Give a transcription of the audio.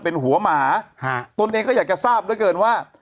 มันเป็นหัวหมาตัวเองก็อยากจะทราบแล้วเกินว่า